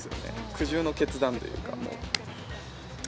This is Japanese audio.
苦渋の決断というか。